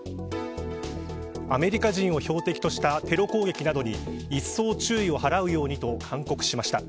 アメリカ人を標的としたテロ攻撃などに一層注意を払うようにと勧告しました。